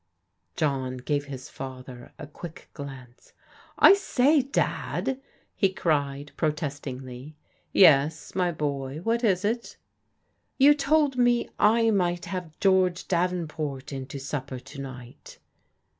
John gave his father a qoick glance. I say. Dad !" he cried protestingly. " Yes, my boy, what is it? ' You told me I mi^t have George Davenport in to sui^r to night."